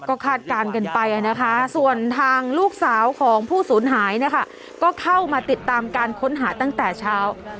ก็คาดการณ์กันไปนะคะส่วนทางลูกสาวของผู้สูญหายนะคะก็เข้ามาติดตามการค้นหาตั้งแต่เช้า